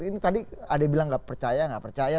ini tadi ada yang bilang gak percaya gak percaya